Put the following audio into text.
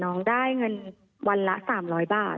น้องได้เงินวันละ๓๐๐บาท